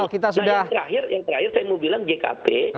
yang terakhir saya mau bilang jkp